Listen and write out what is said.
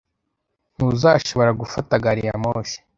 Ntuzashobora gufata gari ya moshi.